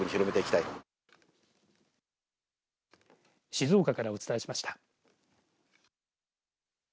静岡からお伝えしました。